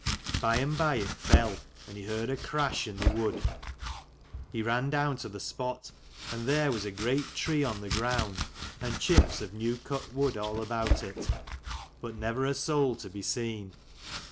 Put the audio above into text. By and by it fell, and he heard a crash in the wood. He ran down to the spot, and there was a great tree on the ground, and chips of new cut wood all about it : but never a soul to be seen.